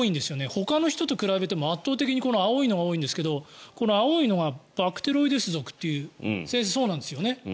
ほかの人と比べても圧倒的にこの青いのが多いんですがこの青いのがバクテロイデス属という先生、そうなんですよね。